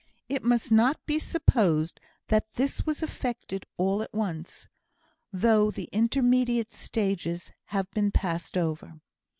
It must not be supposed that this was effected all at once, though the intermediate stages have been passed over.